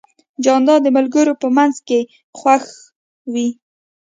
جانداد د ملګرو په منځ کې خوښ وي.